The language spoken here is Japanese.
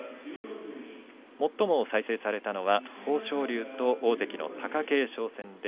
最も再生されたのは豊昇龍と貴景勝です。